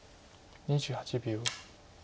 ２８秒。